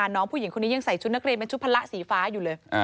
น้องผู้หญิงคนนี้ยังใส่ชุดนักเรียนเป็นชุดพละสีฟ้าอยู่เลย